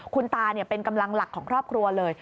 คุณตาเป็นกำลังหลักของครอบครัวเลย